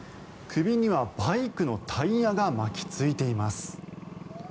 首にはバイクのタイヤが巻きついています。